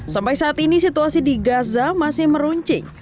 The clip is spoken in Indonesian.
sampai saat ini situasi di gaza masih meruncing